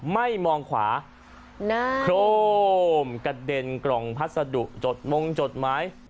ไม่มองขวาหน้าโครมกระเด็นกล่องพัสดุจดมงจดหมาย